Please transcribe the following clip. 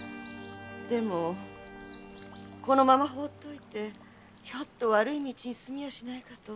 でもこのままほうっておいてひょっと悪い道に進みやしないかと。